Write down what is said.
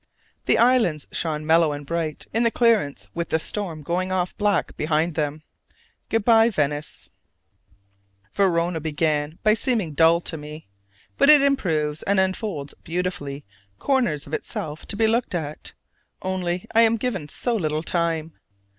The islands shone mellow and bright in the clearance with the storm going off black behind them. Good by, Venice! Verona began by seeming dull to me; but it improves and unfolds beautiful corners of itself to be looked at: only I am given so little time.